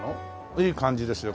いい感じですよ